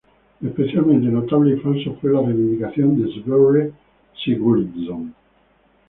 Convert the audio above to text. Especialmente notable y falsa fue la reivindicación de Sverre Sigurdsson.